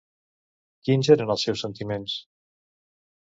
Quins eren els seus sentiments?